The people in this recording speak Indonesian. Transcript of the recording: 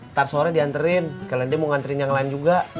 ntar sore dianterin sekalian dia mau nganterin yang lain juga